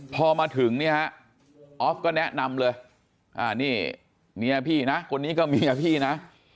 พอมาถึงเนี่ยฮะออฟก็แนะนำเลยนี่เมียพี่นะคนนี้ก็เมียพี่นะ